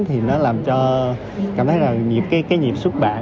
thì nó làm cho cảm thấy là cái nhịp xuất bản